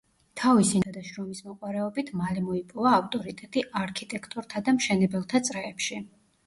თავისი ნიჭითა და შრომისმოყვარეობით მალე მოიპოვა ავტორიტეტი არქიტექტორთა და მშენებელთა წრეებში.